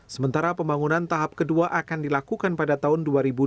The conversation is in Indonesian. sementara pembangunan tahap kedua akan dilakukan pada tahun dua ribu dua puluh